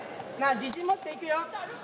自信持っていくよ